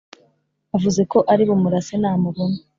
avuze ko ari bumurase namubona